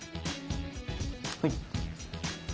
はい。